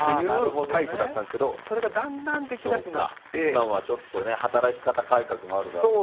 今はちょっとね働き方改革もあるだろうし。